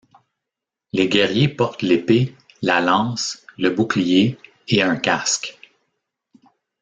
Les guerriers portent l'épée, la lance, le bouclier et un casque.